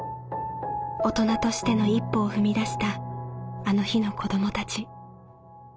大人としての一歩を踏み出したあの日の子どもたち。